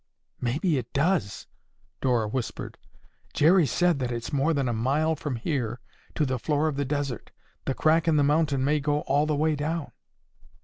"Maybe it does!" Dora whispered. "Jerry said that it's more than a mile from here to the floor of the desert. The crack in the mountain may go all the way down."